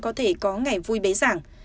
có thể có ngày vui bế giảng